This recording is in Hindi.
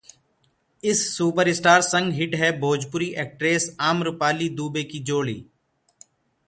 इस सुपरस्टार संग हिट है भोजपुरी एक्ट्रेस आम्रपाली दुबे की जोड़ी